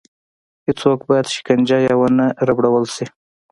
هېڅوک باید شکنجه یا ونه ربړول شي.